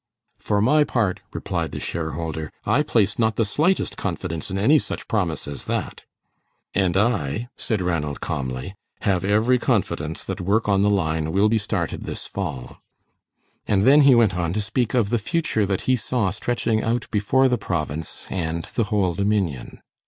"For my part," replied the share holder, "I place not the slightest confidence in any such promise as that." "And I," said Ranald, calmly, "have every confidence that work on the line will be started this fall." And then he went on to speak of the future that he saw stretching out before the province and the whole Dominion.